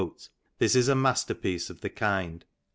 This is a " masterpiece of the kind.